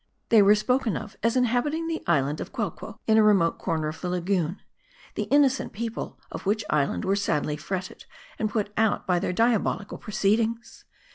They were spoken of as inhabiting the island of Quelquo, in a remote corner of the lagoon ; 4he innocent people of which island were sadly fretted and put out by their diabol ical proceedings.